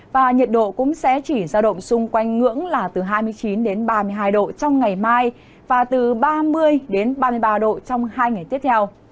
và nhiệt độ cũng sẽ chỉ giao động xung quanh ngưỡng là từ hai mươi chín ba mươi hai độ trong ngày mai và từ ba mươi ba mươi ba độ trong hai ngày tiếp theo